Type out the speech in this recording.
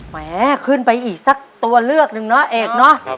แหมขึ้นไปอีกสักตัวเลือกหนึ่งเนาะเอกเนอะ